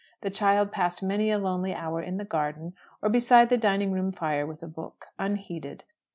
The child passed many a lonely hour in the garden, or beside the dining room fire with a book, unheeded.